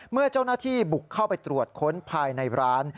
เมื่อเจ้าหน้าที่บุกเข้าไปตรวจค้นภายในร้าน